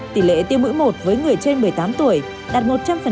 tỷ lệ tiêm mũi một với người trên một mươi tám tuổi đạt một trăm linh